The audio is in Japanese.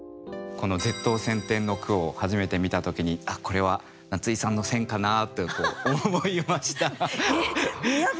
この「舌頭千転」の句を初めて見た時に「あっこれは夏井さんの選かな」と思いました。